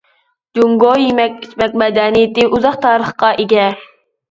جۇڭگو يېمەك-ئىچمەك مەدەنىيىتى ئۇزاق تارىخقا ئىگە.